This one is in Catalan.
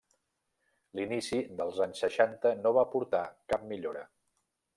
L'inici dels anys seixanta no va aportar cap millora.